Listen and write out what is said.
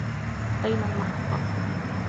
أين المحطة ؟